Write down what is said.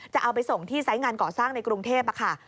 จะเอาไปส่งที่ไซส์งานก่อสร้างในกรุงเทพค่ะ